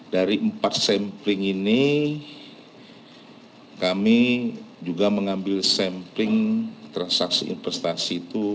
dari empat sampling ini kami juga mengambil sampling transaksi investasi itu